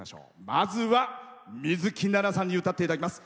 まずは、水樹奈々さんに歌っていただきます。